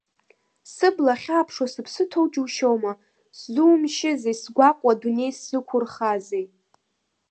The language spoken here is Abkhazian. Сыбла ахьааԥшуа сыԥсы ҭоу џьушьоума, сзумшьызеи, сгәаҟуа адунеи сзықәурхазеи?